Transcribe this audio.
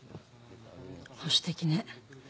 保守的ね。